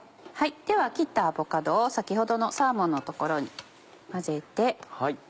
では切ったアボカドを先ほどのサーモンのところに混ぜて。